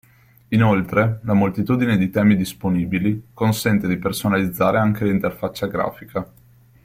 Inoltre, la moltitudine di temi disponibili consente di personalizzare anche l'interfaccia grafica.